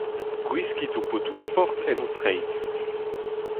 Gwiskit ho potoù sport en ho treid.